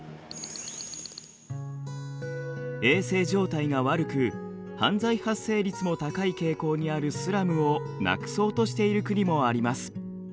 衛生状態が悪く犯罪発生率も高い傾向にあるスラムをなくそうとしている国もあります。